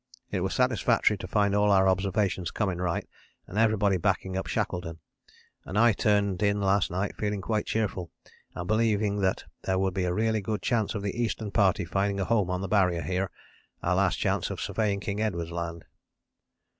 It was satisfactory to find all our observations coming right and everybody backing up Shackleton, and I turned in last night feeling quite cheerful and believing that there would be a really good chance of the Eastern Party finding a home on the Barrier here our last chance of surveying King Edward's Land.